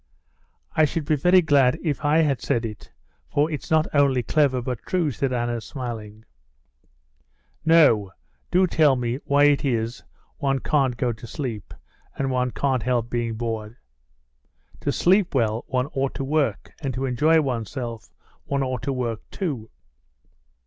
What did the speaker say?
"I should be very glad if I had said it, for it's not only clever but true," said Anna, smiling. "No, do tell me why it is one can't go to sleep, and one can't help being bored?" "To sleep well one ought to work, and to enjoy oneself one ought to work too."